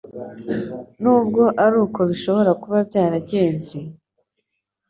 Nubwo ari uko bishobora kuba byaragenze,